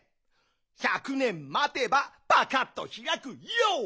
１００ねんまてばぱかっとひらくＹＯ！